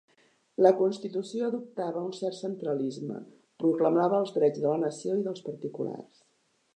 La Constitució adoptava un cert centralisme, proclamava els drets de la Nació i dels particulars.